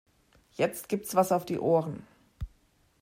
Jetzt gibt's was auf die Ohren.